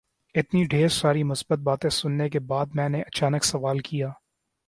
اتنی ڈھیر ساری مثبت باتیں سننے کے بعد میں نے اچانک سوال کیا